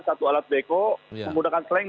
satu alat beko semudahkan seleng